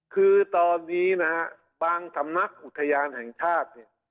คือตอนนี้นะฮะบางสำนักอุทยานแห่งชาติเนี่ย